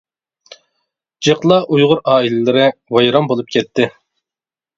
جىقلا ئۇيغۇر ئائىلىلىرى ۋەيران بولۇپ كەتتى.